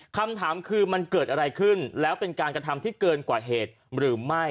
คำถามคือมันเกิดอะไรขึ้นแล้วเป็นการกระทำที่เกินกว่าเหตุหรือไม่